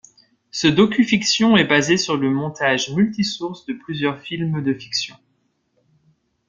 Ce docu-fiction est basé sur le montage multi-sources de plusieurs films de fictions.